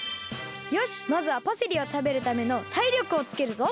よしまずはパセリをたべるためのたいりょくをつけるぞ。